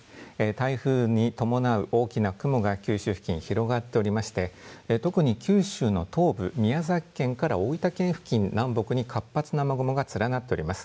台風に伴う大きな雲が九州付近、広がっておりまして特に九州の東部宮崎県から大分県付近南北に活発な雨雲が連なっております。